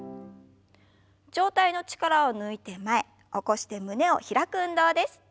上体の力を抜いて前起こして胸を開く運動です。